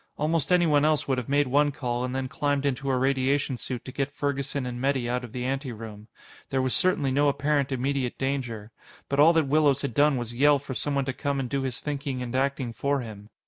Almost anyone else would have made one call and then climbed into a radiation suit to get Ferguson and Metty out of the anteroom. There was certainly no apparent immediate danger. But all that Willows had done was yell for someone to come and do his thinking and acting for him.